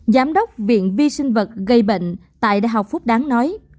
giám đốc viện vi sinh vật gây bệnh tại đại học phúc đáng nói